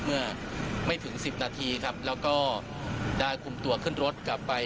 เมื่อไม่ถึงสิบนาทีครับแล้วก็ได้คุมตัวขึ้นรถกลับไป